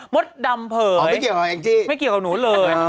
มดดำเพยศไห้เกี่ยวของแอ้งจี้ไม่เกี่ยวกับหนูเลย